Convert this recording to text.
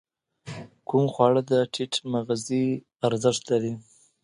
کوم خواړه د ټیټ مغذي ارزښت لري؟